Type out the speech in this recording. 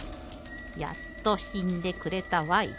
「やっと死んでくれたわい」